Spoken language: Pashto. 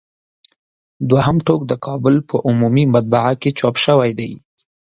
دوهم ټوک د کابل په عمومي مطبعه کې چاپ شوی دی.